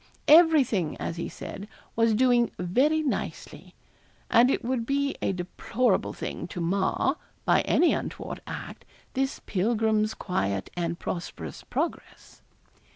'Everything,' as he said, 'was doing very nicely;' and it would be a deplorable thing to mar, by any untoward act, this pilgrim's quiet and prosperous progress.